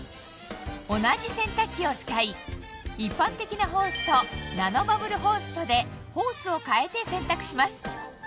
同じ洗濯機を使い一般的なホースとナノバブルホースとでホースを替えて洗濯します